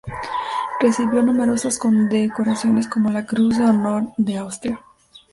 Recibió numerosas condecoraciones como la Cruz de Honor de Austria.